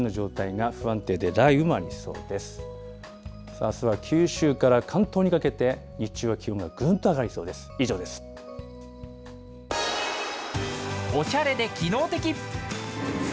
あすは九州から関東にかけて日中は気温がぐんと上がりそうです。